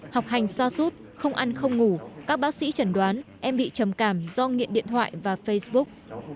học hành xa suốt không ăn không ngủ các bác sĩ chẩn đoán em bị trầm cảm do nghiện điện thoại và facebook